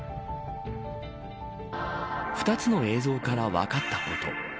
２つの映像から分かったこと。